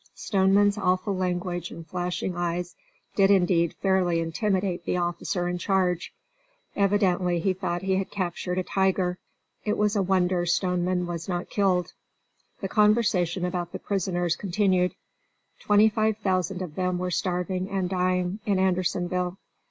Stoneman's awful language and flashing eyes did indeed fairly intimidate the officer in charge. Evidently he thought he had captured a tiger. It was a wonder Stoneman was not killed. The conversation about the prisoners continued. Twenty five thousand of them were starving and dying in Andersonville.